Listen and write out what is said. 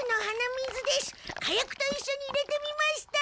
火薬といっしょに入れてみました。